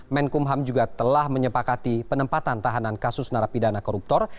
menkumham juga telah menyepakati penempatan tahanan kasus narapidana koruptor